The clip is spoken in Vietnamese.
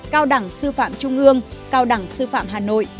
cao đẳng sư phạm trung ương cao đẳng sư phạm hà nội